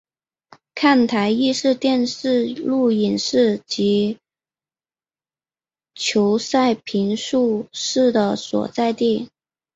看台亦是电视录影室及球赛评述室的所在地。